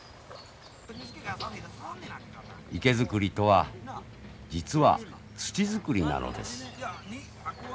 池作りとは実は土作りなのです。